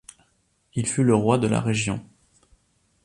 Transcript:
Il fut le roi de la région.